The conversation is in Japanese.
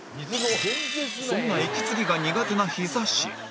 そんな息継ぎが苦手なヒザ神